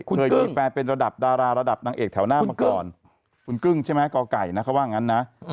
เคยมีแฟนเป็นระดับดาราระดับนางเอกแถวหน้ามาก่อนคุณกึ้งใช่ไหมกไก่นะเขาว่างั้นนะ